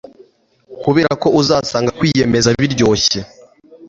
kuberako uzasanga kwiyemeza biryoshye